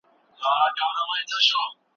که زه مهم نه وای نو ولي به راتلای .